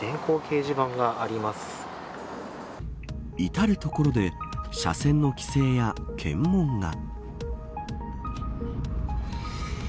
至る所で車線の規制や検問が。